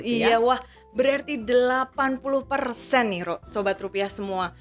iya wah berarti delapan puluh persen nih rok sobat rupiah semua